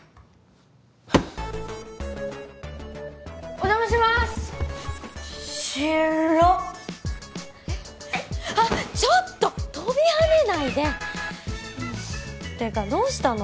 お邪魔します広っえっえっあっちょっと跳びはねないでもうてかどうしたの？